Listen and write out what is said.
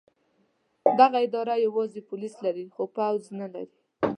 دغه اداره یوازې پولیس لري خو پوځ نه لري.